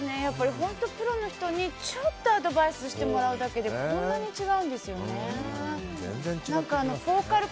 本当にプロの人にちょっとアドバイスしてもらうだけでこんなに違うんですよね。